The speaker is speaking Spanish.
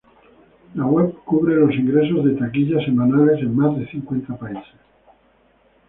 La web cubre los ingresos de taquilla semanales en más de cincuenta países.